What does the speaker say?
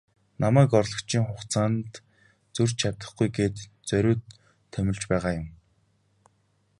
Намайг орлогчийн хугацаанд зөрж чадахгүй гээд зориуд томилж байгаа юм.